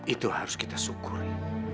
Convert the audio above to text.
itu harus kita syukuri